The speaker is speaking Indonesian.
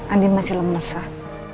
anin masih lemes pak